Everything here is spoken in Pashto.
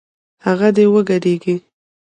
هغه دې وګډېږي